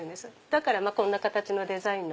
だからこんな形のデザイン。